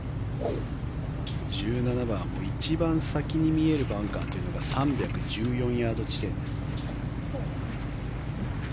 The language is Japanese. １７番一番先に見えるバンカーというのが３１０ヤード地点です。